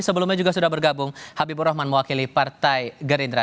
sebelumnya juga sudah bergabung habibur rahman mewakili partai gerindra